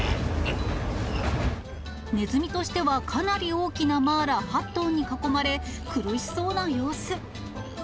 ねずみとしてはかなり大きなマーラ８頭に囲まれ、苦しそうな様子。